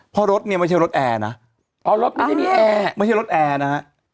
เพราะรถเนี่ยไม่ใช่รถแอร์นะไม่ใช่รถแอร์นะ